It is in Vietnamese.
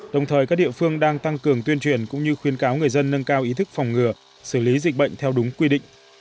đồng thời các địa phương đang tăng cường tuyên truyền cũng như khuyên cáo người dân nâng cao ý thức phòng ngừa xử lý dịch bệnh theo đúng quy định